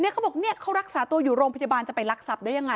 เขาบอกเขารักษาตัวอยู่โรงพยาบาลจะไปรักทรัพย์ได้ยังไง